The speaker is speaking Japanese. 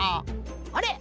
あれ？